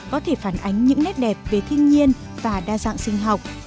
có thể phản ánh những nét đẹp về thiên nhiên và đa dạng sinh học